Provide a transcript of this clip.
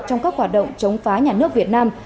trong các hoạt động chống phá nhà nước việt nam